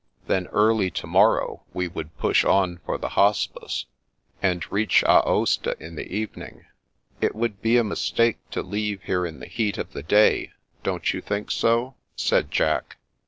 Then early to morrow we would push on for the Hospice, and reach Aosta in the evening." *' It would be a mistake to leave here in the heat of the day, don't you think so ?" said Jack.